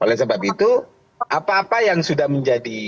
oleh sebab itu apa apa yang sudah menjadi